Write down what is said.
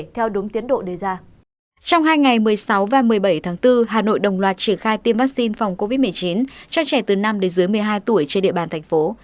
trong hai ngày một mươi sáu và một mươi bảy tháng bốn hà nội đồng loạt triển khai tiêm vaccine phòng covid một mươi chín cho trẻ từ năm đến dưới một mươi hai tuổi trên địa bàn thành phố